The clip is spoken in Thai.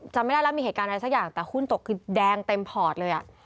จำไม่ได้แล้วมีเหตุการณ์อะไรสักอย่างแต่หุ้นตกคือแดงเต็มพอร์ตเลยอ่ะ